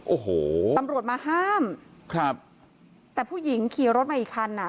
โอ้โหตำรวจมาห้ามครับแต่ผู้หญิงขี่รถมาอีกคันอ่ะ